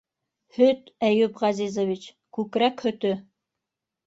Һөт, Әйүп Ғәзизович... күкрәк һөтө...